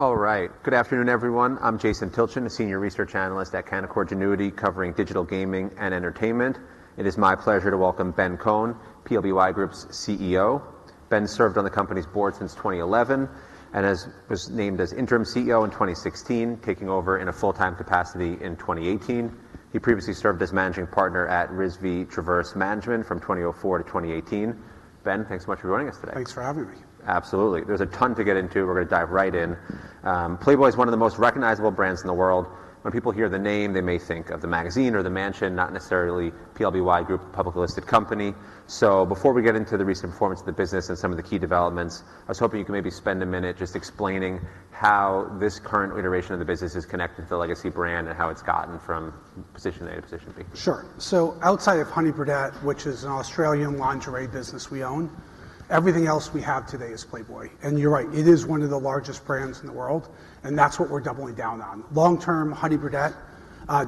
All right. Good afternoon, everyone. I'm Jason Tilchen, a senior research analyst at Canaccord Genuity, covering digital gaming and entertainment. It is my pleasure to welcome Ben Kohn, PLBY Group's CEO. Ben served on the company's board since 2011 and was named as interim CEO in 2016, taking over in a full-time capacity in 2018. He previously served as managing partner at Rizvi Traverse Management from 2004 to 2018. Ben, thanks so much for joining us today. Thanks for having me. Absolutely. There's a ton to get into. We're gonna dive right in. Playboy is one of the most recognizable brands in the world. When people hear the name, they may think of the magazine or the mansion, not necessarily PLBY Group, a publicly listed company. So before we get into the recent performance of the business and some of the key developments, I was hoping you could maybe spend a minute just explaining how this current iteration of the business is connected to the legacy brand and how it's gotten from position A to position B. Sure. So outside of Honey Birdette, which is an Australian lingerie business we own, everything else we have today is Playboy. You're right, it is one of the largest brands in the world, and that's what we're doubling down on. Long term, Honey Birdette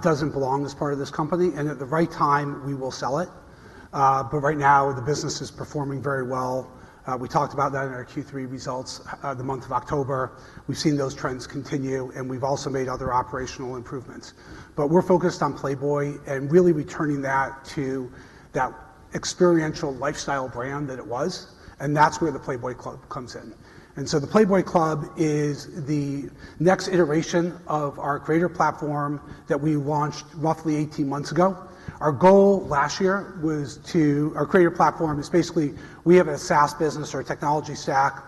doesn't belong as part of this company, and at the right time, we will sell it. But right now, the business is performing very well. We talked about that in our Q3 results, the month of October. We've seen those trends continue, and we've also made other operational improvements. We're focused on Playboy and really returning that to that experiential lifestyle brand that it was, and that's where the Playboy Club comes in. So the Playboy Club is the next iteration of our creator platform that we launched roughly 18 months ago. Our goal last year was. Our creator platform is basically we have a SaaS business or a technology stack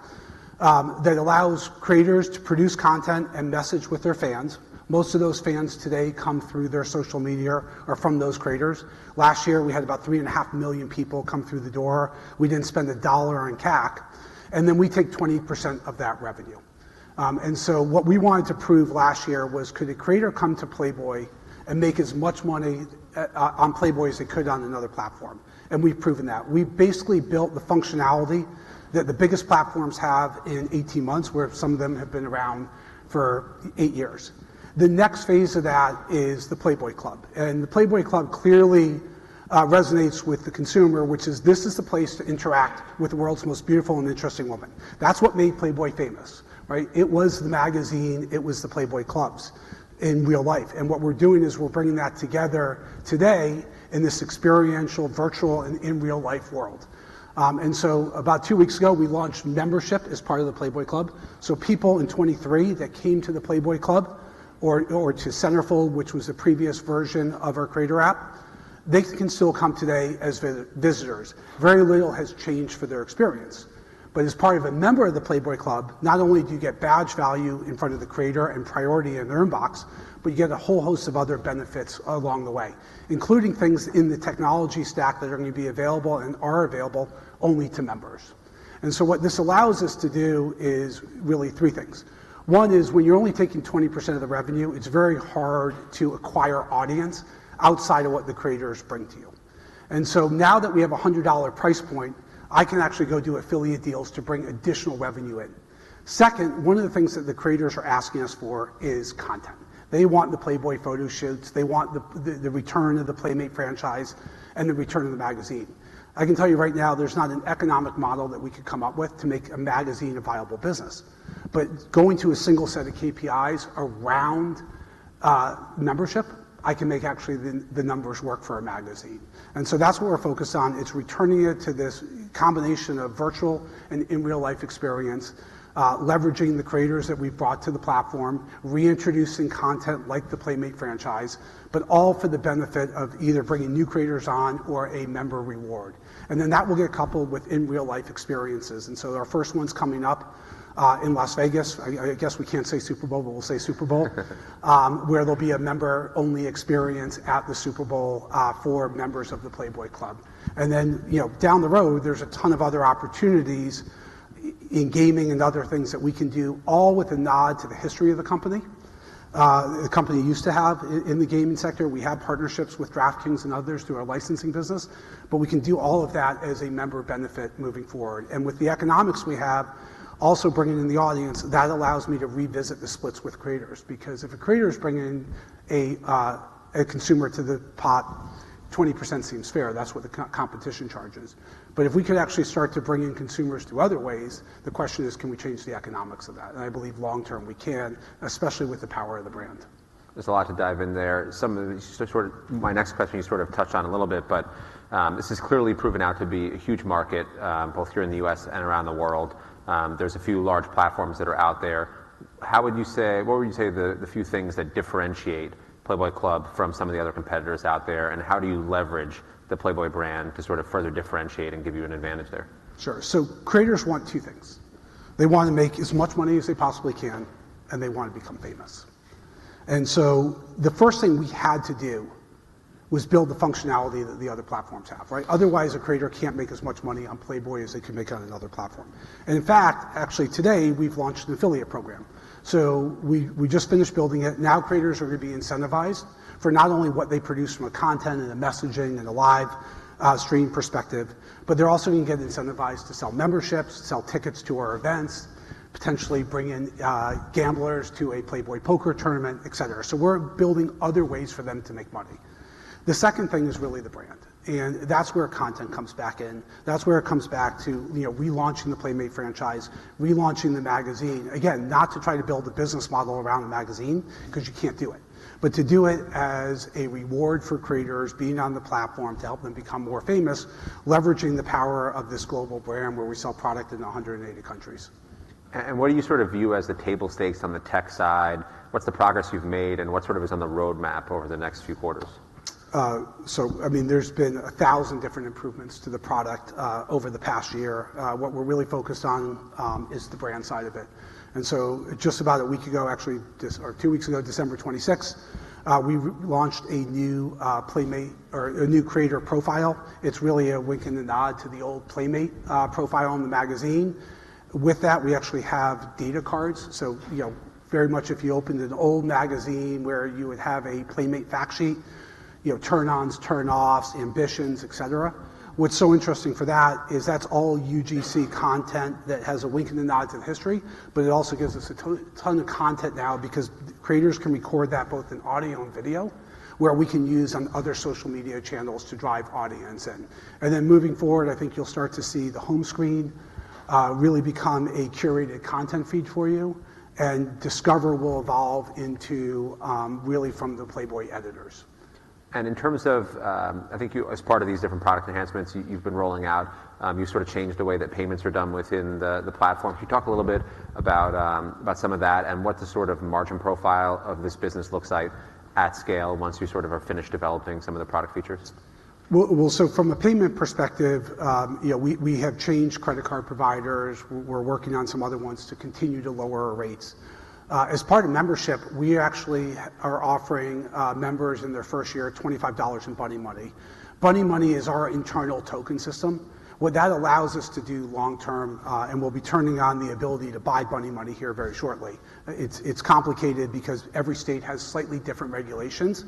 that allows creators to produce content and message with their fans. Most of those fans today come through their social media or from those creators. Last year, we had about 3.5 million people come through the door. We didn't spend a dollar in CAC, and then we take 20% of that revenue. So what we wanted to prove last year was, could a creator come to Playboy and make as much money on Playboy as they could on another platform? We've proven that. We've basically built the functionality that the biggest platforms have in 18 months, where some of them have been around for eight years. The next phase of that is the Playboy Club, and the Playboy Club clearly resonates with the consumer, which is this is the place to interact with the world's most beautiful and interesting women. That's what made Playboy famous, right? It was the magazine, it was the Playboy clubs in real life. And what we're doing is we're bringing that together today in this experiential, virtual, and in real-life world. And so about two weeks ago, we launched membership as part of the Playboy Club. So people in 23 that came to the Playboy Club or to Centerfold, which was a previous version of our creator app, they can still come today as visitors. Very little has changed for their experience. But as part of a member of the Playboy Club, not only do you get badge value in front of the creator and priority in their inbox, but you get a whole host of other benefits along the way, including things in the technology stack that are going to be available and are available only to members. And so what this allows us to do is really three things. One is, when you're only taking 20% of the revenue, it's very hard to acquire audience outside of what the creators bring to you. And so now that we have a $100 price point, I can actually go do affiliate deals to bring additional revenue in. Second, one of the things that the creators are asking us for is content. They want the Playboy photo shoots. They want the return of the Playmate franchise and the return of the magazine. I can tell you right now, there's not an economic model that we could come up with to make a magazine a viable business. But going to a single set of KPIs around membership, I can make actually the numbers work for a magazine. And so that's what we're focused on, is returning it to this combination of virtual and in-real-life experience, leveraging the creators that we've brought to the platform, reintroducing content like the Playmate franchise, but all for the benefit of either bringing new creators on or a member reward. And then that will get coupled with in-real-life experiences. And so our first one's coming up in Las Vegas. I guess we can't say Super Bowl, but we'll say Super Bowl, where there'll be a member-only experience at the Super Bowl, for members of the Playboy Club. And then, you know, down the road, there's a ton of other opportunities in gaming and other things that we can do, all with a nod to the history of the company. The company used to have in the gaming sector. We have partnerships with DraftKings and others through our licensing business, but we can do all of that as a member benefit moving forward. And with the economics we have, also bringing in the audience, that allows me to revisit the splits with creators because if a creator is bringing a consumer to the pot, 20% seems fair. That's what the competition charges. But if we could actually start to bring in consumers through other ways, the question is, can we change the economics of that? And I believe long term we can, especially with the power of the brand. There's a lot to dive in there. Some of it, just sort of. My next question, you sort of touched on a little bit, but this has clearly proven out to be a huge market, both here in the U.S. and around the world. There's a few large platforms that are out there. How would you say. What would you say are the, the few things that differentiate Playboy Club from some of the other competitors out there, and how do you leverage the Playboy brand to sort of further differentiate and give you an advantage there? Sure. So creators want two things: They want to make as much money as they possibly can, and they want to become famous. And so the first thing we had to do was build the functionality that the other platforms have, right? Otherwise, a creator can't make as much money on Playboy as they can make on another platform. And in fact, actually today, we've launched an affiliate program. So we just finished building it. Now, creators are going to be incentivized for not only what they produce from a content and a messaging and a live stream perspective, but they're also going to get incentivized to sell memberships, sell tickets to our events, potentially bring in gamblers to a Playboy poker tournament, et cetera. So we're building other ways for them to make money.... The second thing is really the brand, and that's where content comes back in. That's where it comes back to, you know, relaunching the Playmate franchise, relaunching the magazine. Again, not to try to build a business model around the magazine, 'cause you can't do it, but to do it as a reward for creators being on the platform to help them become more famous, leveraging the power of this global brand where we sell product in 180 countries. And what do you sort of view as the table stakes on the tech side? What's the progress you've made, and what sort of is on the roadmap over the next few quarters? So I mean, there's been a thousand different improvements to the product over the past year. What we're really focused on is the brand side of it. And so just about a week ago, actually, or two weeks ago, December 26, we launched a new Playmate or a new creator profile. It's really a wink and a nod to the old Playmate profile on the magazine. With that, we actually have data cards. So, you know, very much if you opened an old magazine where you would have a Playmate fact sheet, you know, turn-ons, turn-offs, ambitions, et cetera. What's so interesting for that is that's all UGC content that has a wink and a nod to the history, but it also gives us a ton of content now because creators can record that both in audio and video, where we can use on other social media channels to drive audience in. And then moving forward, I think you'll start to see the home screen really become a curated content feed for you, and discover will evolve into really from the Playboy editors. In terms of, I think, as part of these different product enhancements you, you've been rolling out, you sort of changed the way that payments are done within the platform. Can you talk a little bit about some of that and what the sort of margin profile of this business looks like at scale once you sort of are finished developing some of the product features? Well, so from a payment perspective, you know, we have changed credit card providers. We're working on some other ones to continue to lower our rates. As part of membership, we actually are offering members in their first year $25 in Bunny Money. Bunny Money is our internal token system. What that allows us to do long term, and we'll be turning on the ability to buy Bunny Money here very shortly. It's complicated because every state has slightly different regulations.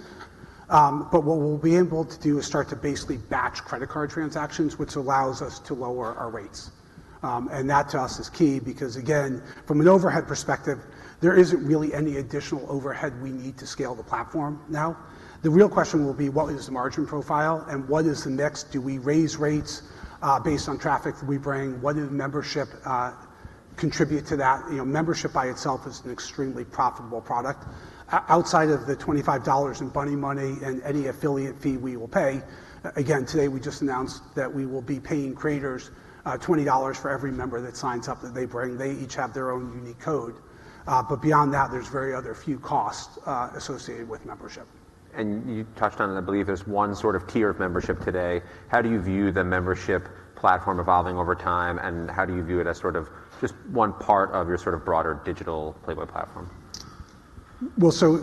But what we'll be able to do is start to basically batch credit card transactions, which allows us to lower our rates. And that to us is key because, again, from an overhead perspective, there isn't really any additional overhead we need to scale the platform now. The real question will be: what is the margin profile and what is the next? Do we raise rates based on traffic that we bring? What does membership contribute to that? You know, membership by itself is an extremely profitable product. Outside of the $25 in Bunny Money and any affiliate fee we will pay, again, today we just announced that we will be paying creators $20 for every member that signs up that they bring. They each have their own unique code. But beyond that, there's very other few costs associated with membership. You touched on it, I believe there's one sort of tier of membership today. How do you view the membership platform evolving over time, and how do you view it as sort of just one part of your sort of broader digital Playboy platform? Well, so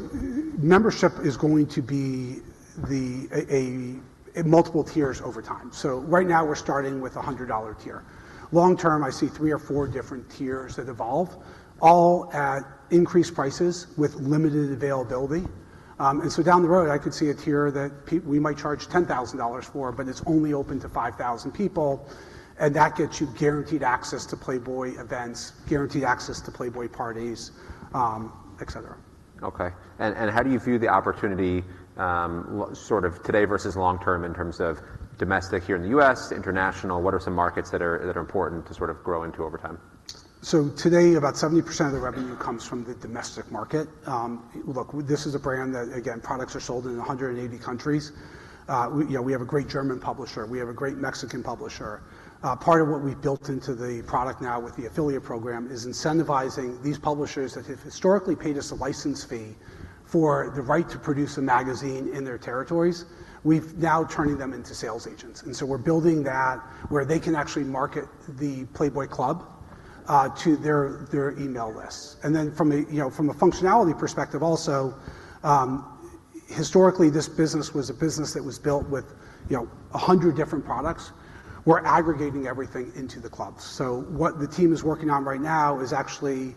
membership is going to be a multiple tiers over time. So right now, we're starting with a $100 tier. Long term, I see three or four different tiers that evolve, all at increased prices with limited availability. And so down the road, I could see a tier that we might charge $10,000 for, but it's only open to 5,000 people, and that gets you guaranteed access to Playboy events, guaranteed access to Playboy parties, et cetera. Okay. How do you view the opportunity, sort of today versus long term in terms of domestic here in the U.S., international? What are some markets that are important to sort of grow into over time? So today, about 70% of the revenue comes from the domestic market. Look, this is a brand that, again, products are sold in 180 countries. We, you know, we have a great German publisher. We have a great Mexican publisher. Part of what we've built into the product now with the affiliate program is incentivizing these publishers that have historically paid us a license fee for the right to produce a magazine in their territories. We've now turning them into sales agents, and so we're building that where they can actually market the Playboy Club, to their, their email lists. And then from a, you know, from a functionality perspective, also, historically, this business was a business that was built with, you know, 100 different products. We're aggregating everything into the club. So what the team is working on right now is actually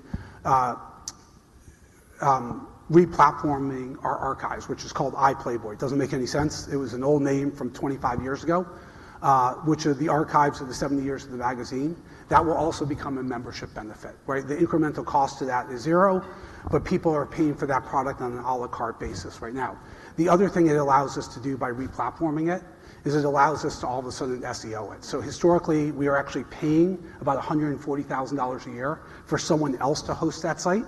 re-platforming our archives, which is called iPlayboy. It doesn't make any sense. It was an old name from 25 years ago, which are the archives of the 70 years of the magazine. That will also become a membership benefit, right? The incremental cost to that is zero, but people are paying for that product on an à la carte basis right now. The other thing it allows us to do by re-platforming it is it allows us to all of a sudden SEO it. So historically, we are actually paying about $140,000 a year for someone else to host that site.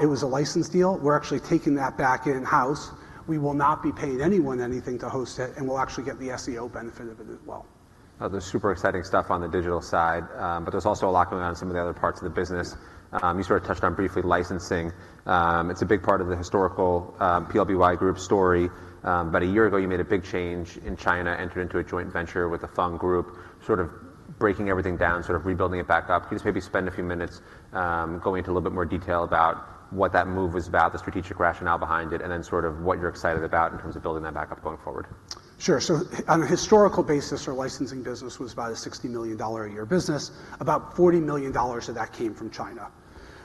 It was a license deal. We're actually taking that back in-house. We will not be paying anyone anything to host it, and we'll actually get the SEO benefit of it as well. There's super exciting stuff on the digital side, but there's also a lot going on in some of the other parts of the business. You sort of touched on briefly licensing. It's a big part of the historical PLBY Group story. About a year ago, you made a big change in China, entered into a joint venture with the Fung Group, sort of breaking everything down, sort of rebuilding it back up. Can you just maybe spend a few minutes going into a little bit more detail about what that move was about, the strategic rationale behind it, and then sort of what you're excited about in terms of building that back up going forward? Sure. So on a historical basis, our licensing business was about a $60 million a year business. About $40 million of that came from China...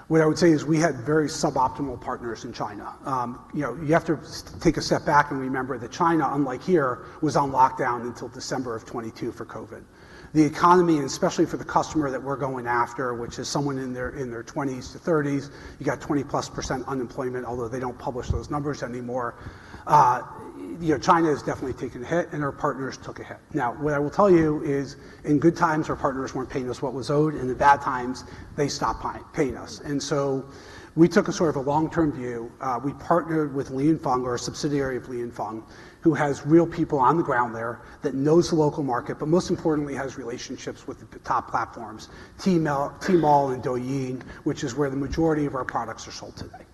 What I would say is we had very suboptimal partners in China. You know, you have to take a step back and remember that China, unlike here, was on lockdown until December of 2022 for COVID. The economy, and especially for the customer that we're going after, which is someone in their 20s to 30s, you got 20%+ unemployment, although they don't publish those numbers anymore. You know, China has definitely taken a hit, and our partners took a hit. Now, what I will tell you is, in good times, our partners weren't paying us what was owed, in the bad times, they stopped paying us. And so we took a sort of a long-term view. partnered with Li & Fung, or a Li & Fung, who has real people on the ground there that knows the local market, but most importantly, has relationships with the top platforms, Tmall and Douyin, which is where the majority of our products are sold today.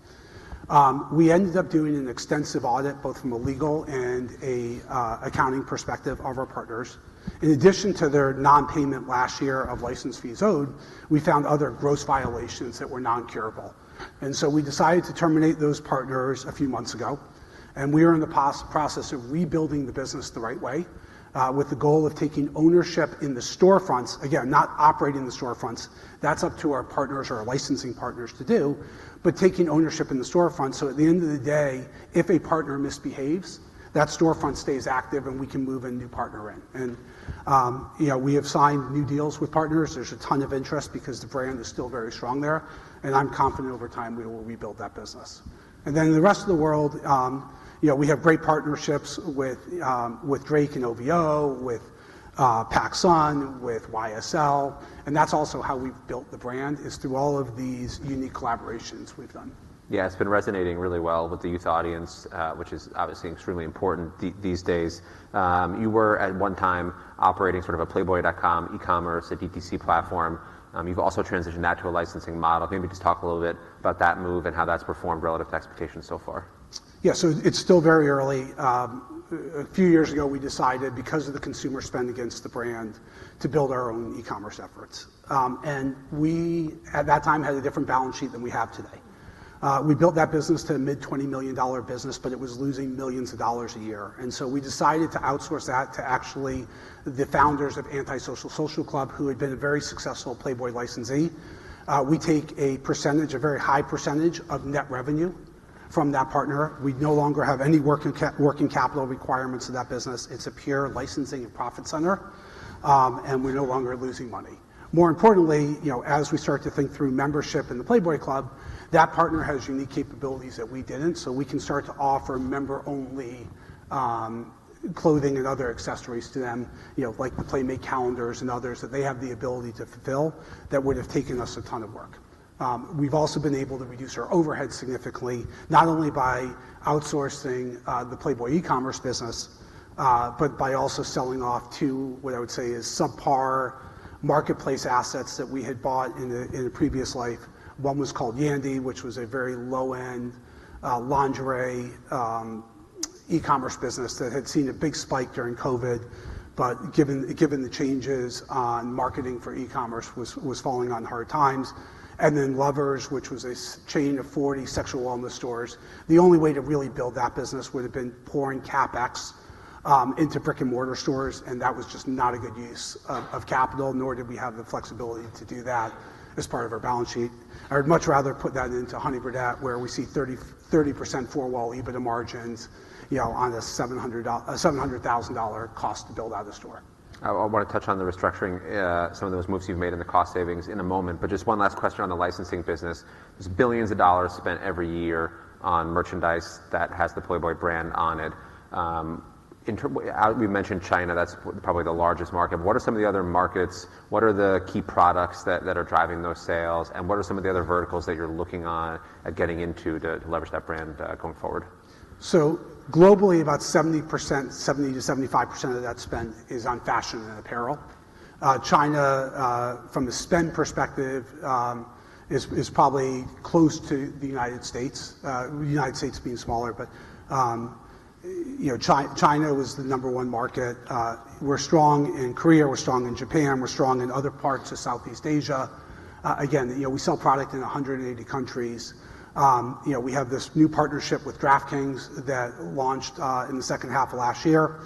We ended up doing an extensive audit, both from a legal and a accounting perspective of our partners. In addition to their non-payment last year of license fees owed, we found other gross violations that were non-curable. And so we decided to terminate those partners a few months ago, and we are in the process of rebuilding the business the right way, with the goal of taking ownership in the storefronts. Again, not operating the storefronts, that's up to our partners or our licensing partners to do, but taking ownership in the storefronts, so at the end of the day, if a partner misbehaves, that storefront stays active, and we can move a new partner in. And, you know, we have signed new deals with partners. There's a ton of interest because the brand is still very strong there, and I'm confident over time, we will rebuild that business. And then the rest of the world, you know, we have great partnerships with, with Drake and OVO, with PacSun, with YSL, and that's also how we've built the brand, is through all of these unique collaborations we've done. Yeah, it's been resonating really well with the youth audience, which is obviously extremely important these days. You were at one time operating sort of a Playboy.com, e-commerce, a DTC platform. You've also transitioned that to a licensing model. Maybe just talk a little bit about that move and how that's performed relative to expectations so far. Yeah. So it's still very early. A few years ago, we decided because of the consumer spend against the brand, to build our own e-commerce efforts. And we, at that time, had a different balance sheet than we have today. We built that business to a mid-$20 million business, but it was losing millions of dollars a year, and so we decided to outsource that to actually the founders of Anti Social Social Club, who had been a very successful Playboy licensee. We take a percentage, a very high percentage of net revenue from that partner. We no longer have any working capital requirements in that business. It's a pure licensing and profit center, and we're no longer losing money. More importantly, you know, as we start to think through membership in the Playboy Club, that partner has unique capabilities that we didn't, so we can start to offer member-only clothing and other accessories to them, you know, like the Playmate calendars and others, that they have the ability to fulfill that would have taken us a ton of work. We've also been able to reduce our overhead significantly, not only by outsourcing the Playboy e-commerce business, but by also selling off to, what I would say is sub-par marketplace assets that we had bought in a previous life. One was called Yandy, which was a very low-end lingerie e-commerce business that had seen a big spike during COVID, but given the changes on marketing for e-commerce, was falling on hard times. Lovers, which was a chain of 40 sexual wellness stores. The only way to really build that business would have been pouring CapEx into brick-and-mortar stores, and that was just not a good use of capital, nor did we have the flexibility to do that as part of our balance sheet. I would much rather put that into Honey Birdette, where we see 30% four-wall EBITDA margins, you know, on a $700,000 cost to build out a store. I want to touch on the restructuring, some of those moves you've made and the cost savings in a moment. But just one last question on the licensing business. There's billions of dollars spent every year on merchandise that has the Playboy brand on it. In terms, we've mentioned China, that's probably the largest market. What are some of the other markets? What are the key products that are driving those sales, and what are some of the other verticals that you're looking at getting into to leverage that brand, going forward? So globally, about 70%, 70%-75% of that spend is on fashion and apparel. China, from the spend perspective, is probably close to the United States. United States being smaller, but, you know, China was the number one market. We're strong in Korea, we're strong in Japan, we're strong in other parts of Southeast Asia. Again, you know, we sell product in 180 countries. You know, we have this new partnership with DraftKings that launched in the H2 of last year.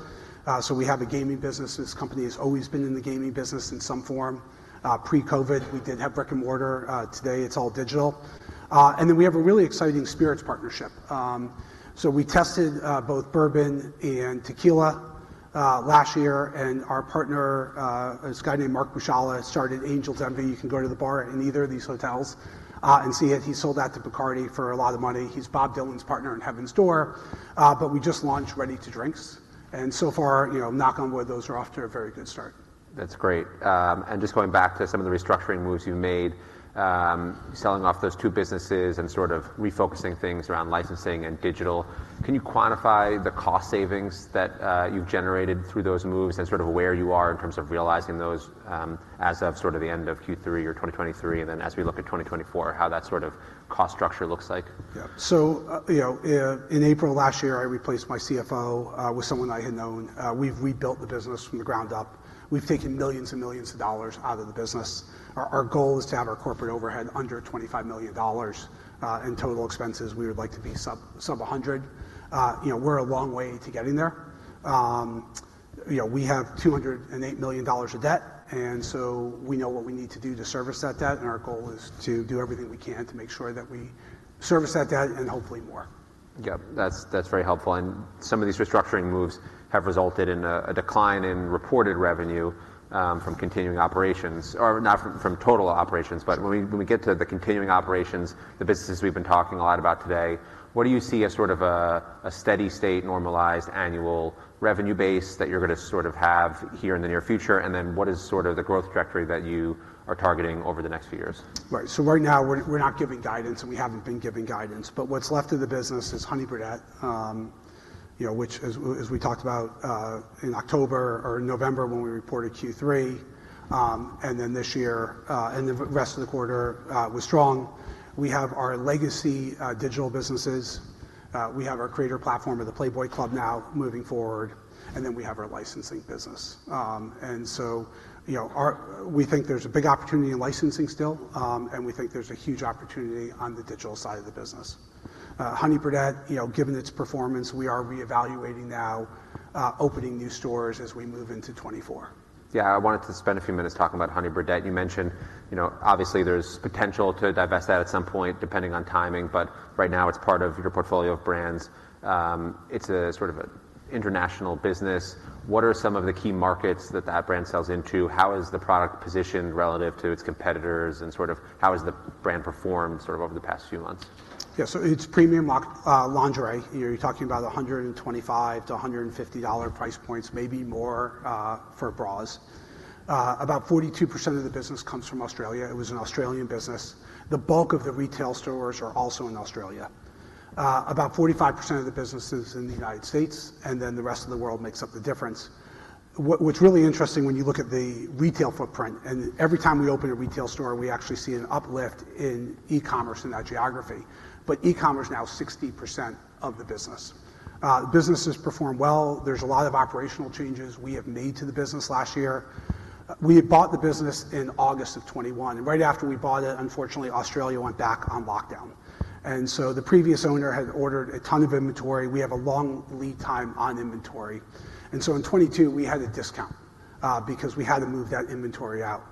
So we have a gaming business. This company has always been in the gaming business in some form. Pre-COVID, we did have brick-and-mortar. Today, it's all digital. And then we have a really exciting spirits partnership. So we tested both bourbon and tequila last year, and our partner, this guy named Marc Bushala, started Angel's Envy. You can go to the bar in either of these hotels, and see it. He sold that to Bacardi for a lot of money. He's Bob Dylan's partner in Heaven's Door. But we just launched ready-to-drinks, and so far, you know, knock on wood, those are off to a very good start. That's great. And just going back to some of the restructuring moves you made, selling off those two businesses and sort of refocusing things around licensing and digital, can you quantify the cost savings that you've generated through those moves and sort of where you are in terms of realizing those, as of sort of the end of Q3 or 2023, and then as we look at 2024, how that sort of cost structure looks like? Yeah. So, you know, in April last year, I replaced my CFO with someone I had known. We've rebuilt the business from the ground up. We've taken millions and millions of dollars out of the business. Our goal is to have our corporate overhead under $25 million in total expenses. We would like to be sub a hundred. You know, we're a long way to getting there. You know, we have $208 million of debt, and so we know what we need to do to service that debt, and our goal is to do everything we can to make sure that we service that debt and hopefully more.... Yep, that's, that's very helpful. And some of these restructuring moves have resulted in a, a decline in reported revenue from continuing operations, or not from, from total operations, but when we, when we get to the continuing operations, the businesses we've been talking a lot about today, what do you see as sort of a, a steady state, normalized annual revenue base that you're gonna sort of have here in the near future? And then what is sort of the growth trajectory that you are targeting over the next few years? Right. So right now, we're, we're not giving guidance, and we haven't been giving guidance, but what's left of the business is Honey Birdette, you know, which as we talked about, in October or November when we reported Q3, and then this year, and the rest of the quarter, was strong. We have our legacy, digital businesses, we have our creator platform or the Playboy Club now moving forward, and then we have our licensing business. And so, you know, we think there's a big opportunity in licensing still, and we think there's a huge opportunity on the digital side of the business. Honey Birdette, you know, given its performance, we are reevaluating now, opening new stores as we move into 2024. Yeah, I wanted to spend a few minutes talking about Honey Birdette. You mentioned, you know, obviously there's potential to divest that at some point, depending on timing, but right now, it's part of your portfolio of brands. It's a sort of an international business. What are some of the key markets that that brand sells into? How is the product positioned relative to its competitors, and sort of, how has the brand performed sort of over the past few months? Yeah, so it's premium lingerie. You're talking about $125-150 price points, maybe more, for bras. About 42% of the business comes from Australia. It was an Australian business. The bulk of the retail stores are also in Australia. About 45% of the business is in the United States, and then the rest of the world makes up the difference. What's really interesting when you look at the retail footprint, and every time we open a retail store, we actually see an uplift in e-commerce in that geography. But e-commerce is now 60% of the business. The business has performed well. There's a lot of operational changes we have made to the business last year. We had bought the business in August 2021, and right after we bought it, unfortunately, Australia went back on lockdown. And so the previous owner had ordered a ton of inventory. We have a long lead time on inventory, and so in 2022, we had to discount because we had to move that inventory out.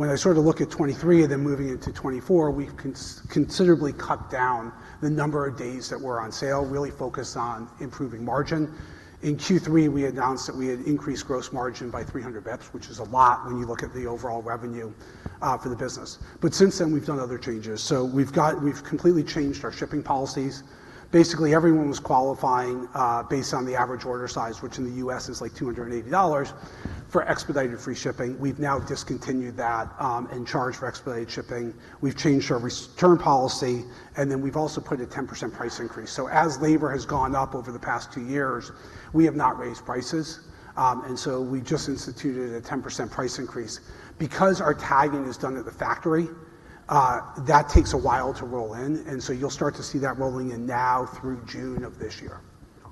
When I sort of look at 2023 and then moving into 2024, we've considerably cut down the number of days that we're on sale, really focused on improving margin. In Q3, we announced that we had increased gross margin by 300 basis points, which is a lot when you look at the overall revenue for the business. But since then, we've done other changes. We've completely changed our shipping policies. Basically, everyone was qualifying based on the average order size, which in the U.S. is like $280 for expedited free shipping. We've now discontinued that and charged for expedited shipping. We've changed our return policy, and then we've also put a 10% price increase. So as labor has gone up over the past two years, we have not raised prices, and so we just instituted a 10% price increase. Because our tagging is done at the factory, that takes a while to roll in, and so you'll start to see that rolling in now through June of this year.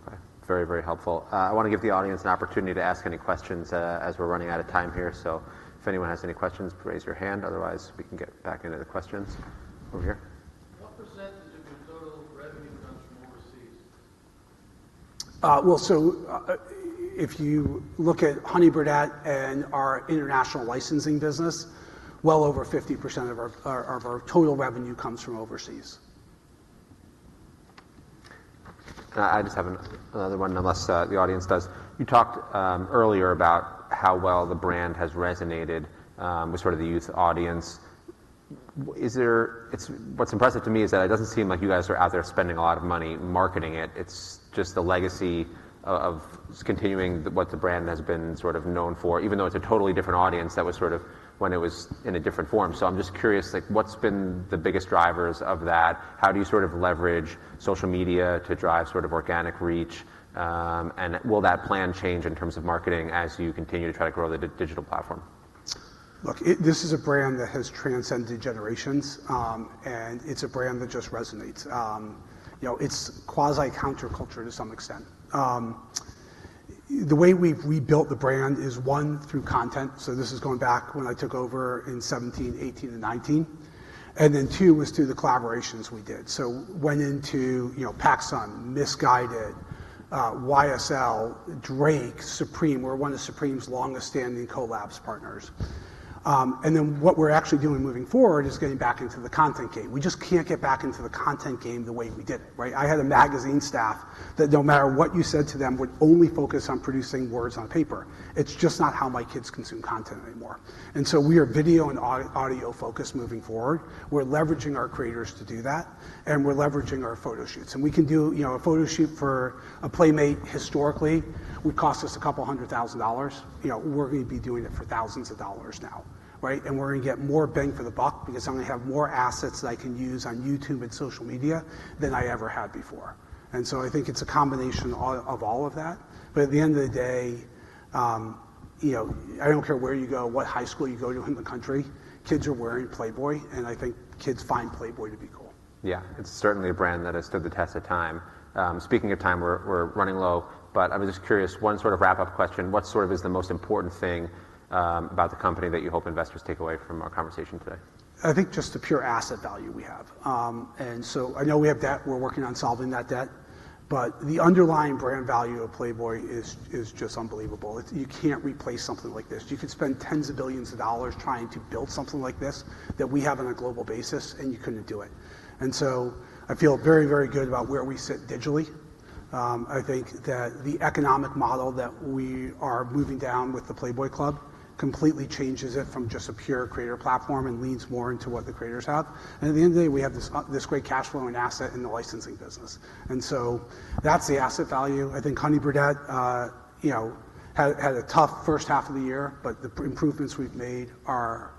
Okay. Very, very helpful. I want to give the audience an opportunity to ask any questions, as we're running out of time here. So if anyone has any questions, raise your hand. Otherwise, we can get back into the questions. Over here. What percentage of your total revenue comes from overseas? Well, so, if you look at Honey Birdette and our international licensing business, well over 50% of our total revenue comes from overseas. I just have another one, unless the audience does. You talked earlier about how well the brand has resonated with sort of the youth audience. What's impressive to me is that it doesn't seem like you guys are out there spending a lot of money marketing it, it's just the legacy of continuing what the brand has been sort of known for, even though it's a totally different audience, that was sort of when it was in a different form. So I'm just curious, like, what's been the biggest drivers of that? How do you sort of leverage social media to drive sort of organic reach? And will that plan change in terms of marketing as you continue to try to grow the digital platform? Look, this is a brand that has transcended generations, and it's a brand that just resonates. You know, it's quasi-counterculture to some extent. The way we've rebuilt the brand is, one, through content, so this is going back when I took over in 2017, 2018, and 2019. And then two, was through the collaborations we did. So went into, you know, PacSun, Missguided, YSL, Drake, Supreme. We're one of Supreme's longest-standing collabs partners. And then what we're actually doing moving forward is getting back into the content game. We just can't get back into the content game the way we did it, right? I had a magazine staff that, no matter what you said to them, would only focus on producing words on paper. It's just not how my kids consume content anymore. And so we are video and audio focused moving forward. We're leveraging our creators to do that, and we're leveraging our photo shoots. We can do, you know, a photo shoot for a Playmate historically would cost us $200,000. You know, we're gonna be doing it for thousands of dollars now, right? And we're gonna get more bang for the buck because I'm gonna have more assets that I can use on YouTube and social media than I ever had before. So I think it's a combination of all of that. But at the end of the day, you know, I don't care where you go, what high school you go to in the country, kids are wearing Playboy, and I think kids find Playboy to be cool. Yeah, it's certainly a brand that has stood the test of time. Speaking of time, we're running low, but I'm just curious, one sort of wrap-up question: What sort of is the most important thing about the company that you hope investors take away from our conversation today? I think just the pure asset value we have. And so I know we have debt, we're working on solving that debt, but the underlying brand value of Playboy is, is just unbelievable. You can't replace something like this. You could spend tens of billions of dollars trying to build something like this that we have on a global basis, and you couldn't do it. And so I feel very, very good about where we sit digitally. I think that the economic model that we are moving down with the Playboy Club completely changes it from just a pure creator platform and leans more into what the creators have. And at the end of the day, we have this, this great cash flowing asset in the licensing business. And so that's the asset value. I think Honey Birdette, you know, had a tough H1 of the year, but the improvements we've made are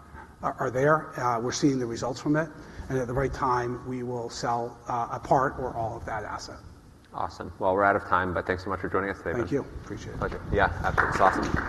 there. We're seeing the results from it, and at the right time, we will sell a part or all of that asset. Awesome. Well, we're out of time, but thanks so much for joining us today. Thank you. Appreciate it. Pleasure. Yeah, absolutely. Awesome.